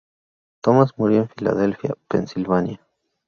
Thomas murió en Filadelfia, Pensilvania.